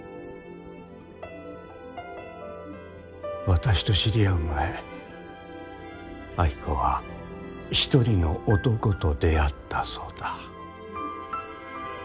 私と知り合う前暁子はひとりの男と出会ったそうだ。